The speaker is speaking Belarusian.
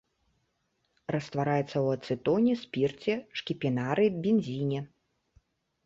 Раствараецца ў ацэтоне, спірце, шкіпінары, бензіне.